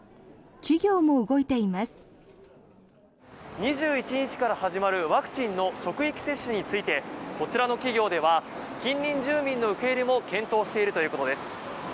２１日から始まるワクチンの職域接種についてこちらの企業では近隣住民の受け入れも検討しているということです。